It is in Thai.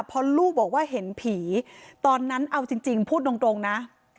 พอลูกบอกว่าเห็นผีตอนนั้นเอาจริงพูดตรงนะ